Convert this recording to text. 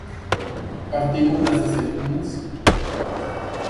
Partimos las aceitunas.